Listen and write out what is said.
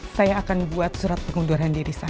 saya akan buat surat pengunduran diri saya